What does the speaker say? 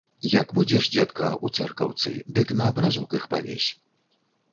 Як будзеш, дзедка, у цэркаўцы, дык на абразок іх павесь.